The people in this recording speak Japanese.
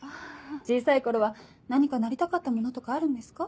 小さい頃は何かなりたかったものとかあるんですか？